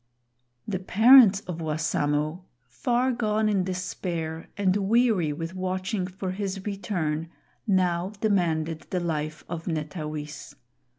The parents of Wassamo, far gone in despair and weary with watching for his return, now demanded the life of Netawis.